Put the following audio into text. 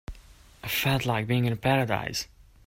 I felt like being in paradise.